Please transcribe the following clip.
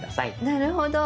なるほど。